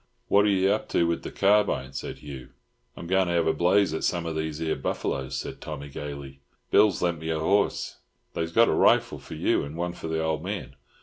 "What are you up to with the carbine?" said Hugh. "I'm going to have a blaze at some of these 'ere buff'loes," said Tommy gaily. "Bill's lent me a horse. They's got a rifle for you, and one for the old man.